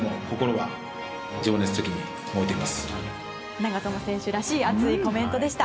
長友選手らしい熱いコメントでした。